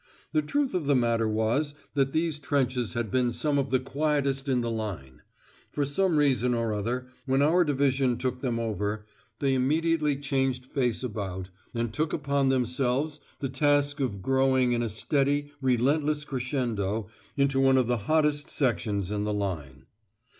The truth of the matter was that these trenches had been some of the quietest in the line; for some reason or other, when our Division took them over, they immediately changed face about, and took upon themselves the task of growing in a steady relentless crescendo into one of the hottest sectors in the line.